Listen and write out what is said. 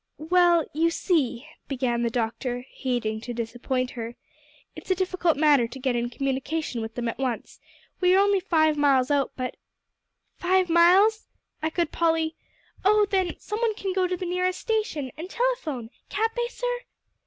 "Well, you see," began the doctor, hating to disappoint her, "it's a difficult matter to get in communication with them at once. We are only five miles out, but " "Five miles?" echoed Polly. "Oh then, some one can go to the nearest station, and telephone, can't they, sir?"